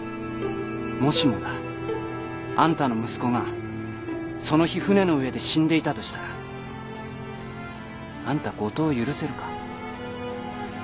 もしもだあんたの息子がその日船の上で死んでいたとしたらあんた五島を許せるか？